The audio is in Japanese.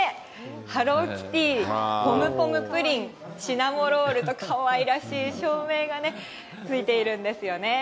ハローキティ、ポムポムプリン、シナモロールと、かわいらしい照明がついているんですね。